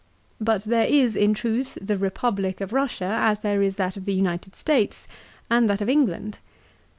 But there is, in truth, the Eepublic of Russia as there is that of the United States, and that of England.